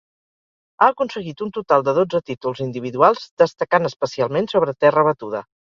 Ha aconseguit un total de dotze títols individuals, destacant especialment sobre terra batuda.